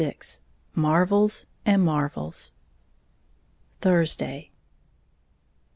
XXVI "MARVLES" AND MARVELS _Thursday.